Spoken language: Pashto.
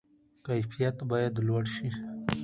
کیفیت باید لوړ شي